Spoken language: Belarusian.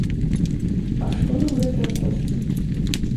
А што нам гэтыя косці?